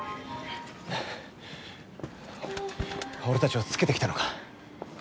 俺たちをつけてきたのか？